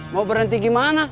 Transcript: mau berhenti gimana